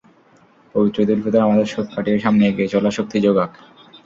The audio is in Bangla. পবিত্র ঈদুল ফিতর আমাদের শোক কাটিয়ে সামনে এগিয়ে চলার শক্তি জোগাক।